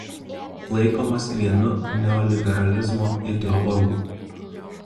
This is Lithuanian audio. Laikomas vienu neoliberalizmo ideologų.